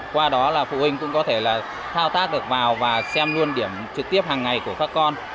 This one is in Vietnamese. qua đó là phụ huynh cũng có thể là thao tác được vào và xem luôn điểm trực tiếp hàng ngày của các con